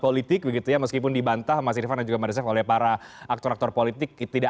politik begitu ya meskipun dibantah mas irvan dan juga meresep oleh para aktor aktor politik tidak